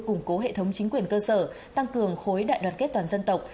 củng cố hệ thống chính quyền cơ sở tăng cường khối đại đoàn kết toàn dân tộc